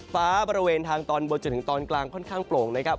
ฟ้าบริเวณทางตอนบนจนถึงตอนกลางค่อนข้างโปร่งนะครับ